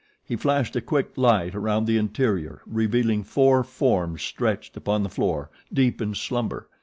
He flashed a quick light around the interior revealing four forms stretched upon the floor, deep in slumber.